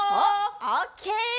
オッケー！